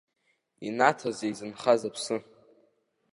Инаҭазеи изынхаз аԥсы?!